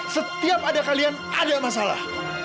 setiap ada kalian ada masalah